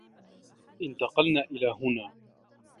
انتقلن إلى هنا.